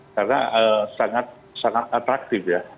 karena sangat sangat atraktif ya